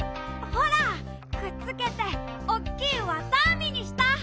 ほらくっつけておっきいわたアミにした！